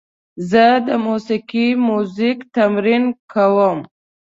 زه د موسیقۍ میوزیک تمرین کوم.